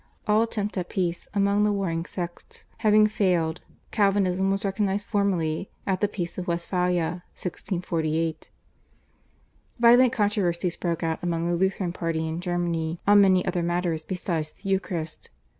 All attempts at peace amongst the warring sects having failed, Calvinism was recognised formally at the Peace of Westphalia (1648). Violent controversies broke out among the Lutheran party in Germany on many other matters besides the Eucharist.